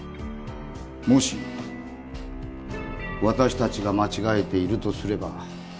もし私達が間違えているとすれば